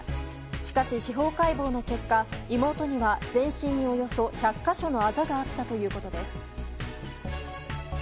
しかし司法解剖の結果、妹には全身におよそ１００か所のあざがあったということです。